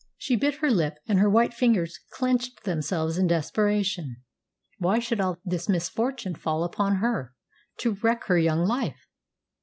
She bit her lip, and her white fingers clenched themselves in desperation. Why should all this misfortune fall upon her, to wreck her young life?